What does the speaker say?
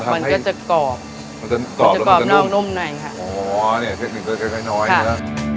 มันก็จะกรอบมันจะกรอบนอกนุ่มหน่อยค่ะอ๋ออันนี้เทคนิคก็คล้ายน้อย